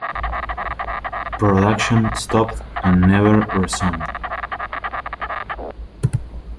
Production stopped and never resumed.